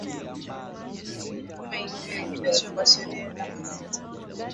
kama ilivyo rekebishwa kwa sheria namba Sita